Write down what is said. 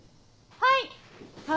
はい。